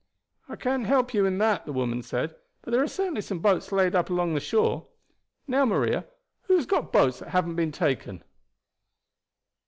"I can't help you in that," the woman said; "but there are certainly some boats laid up along the shore. Now, Maria, who has got boats that haven't been taken?"